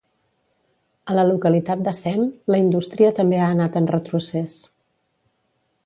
A la localitat de Sem la indústria també ha anat en retrocés.